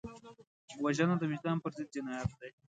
وژنه د وجدان پر ضد جنایت دی